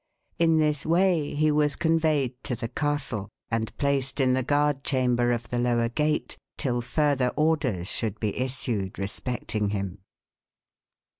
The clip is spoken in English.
In this way he was conveyed to the castle, and placed in the guard chamber of the lower gate till further orders should be issued respecting him.